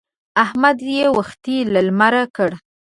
احمد يې وختي له لمره کړ.